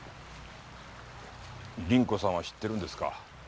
凛子さんは知ってるんですか？